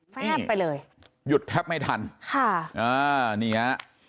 แฟบไปเลยหยุดแทบไม่ทันค่ะอ่านี่ฮะ